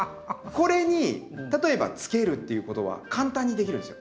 これに例えばつけるっていうことは簡単にできるんですよ。